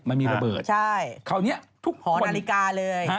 มันมีระเบิดใช่คราวนี้ทุกหอนาฬิกาเลย